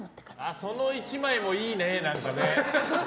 その１枚もいいね、何かね。